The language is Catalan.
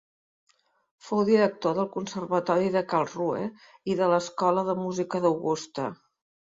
Fou director del Conservatori de Karlsruhe i de l'Escola de Música d'Augusta.